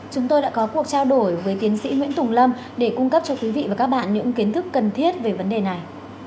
chúng tôi đã có cuộc trao đổi với tiến sĩ nguyễn tùng lâm để cung cấp cho quý vị và các bạn những kiến thức cần thiết về vấn đề này